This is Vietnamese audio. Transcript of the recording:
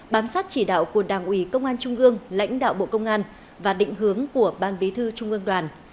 bám sát chỉ đạo của đảng ủy công an trung ương lãnh đạo bộ công an và định hướng của ban bí thư trung ương đoàn